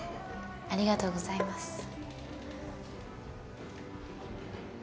ありがとうございます。